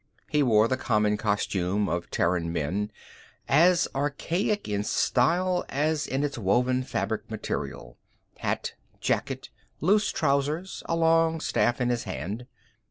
He wore the common costume of Terran men, as archaic in style as in its woven fabric material: hat, jacket, loose trousers, a long staff in his hand.